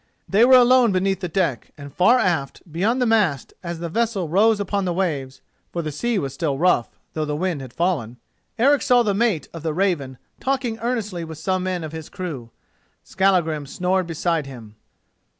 They were alone beneath the deck, and far aft, beyond the mast, as the vessel rose upon the waves—for the sea was still rough, though the wind had fallen—Eric saw the mate of the Raven talking earnestly with some men of his crew. Skallagrim snored beside him.